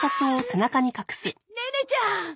ネネネちゃん！